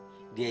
bukan mirna pak